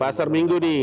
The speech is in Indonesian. pasar minggu nih